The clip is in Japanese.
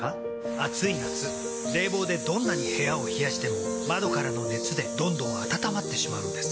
暑い夏冷房でどんなに部屋を冷やしても窓からの熱でどんどん暖まってしまうんです。